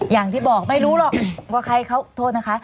อย่างที่บอกไม่รู้หรอกว่าใครเขาโทษนะคะ